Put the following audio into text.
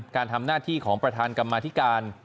การทำหน้าที่ของประธานกรรมาธิการ